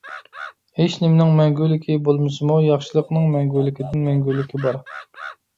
ھېچنىمىنىڭ مەڭگۈلۈكى بولمىسىمۇ ياخشىلىقنىڭ مەڭگۈلىكىدىن مەڭگۈلۈكى بار.